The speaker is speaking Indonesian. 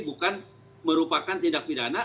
bukan merupakan tindak pidana